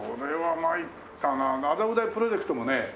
麻布台プロジェクトもね